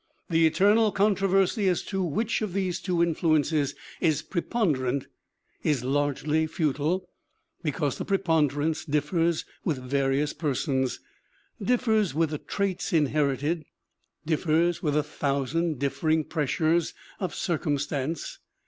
The eternal con troversy as to which of these two influences is pre ponderant is largely futile because the preponderance differs with various persons, differs with the traits in herited, differs with a thousand differing pressures of circumstance.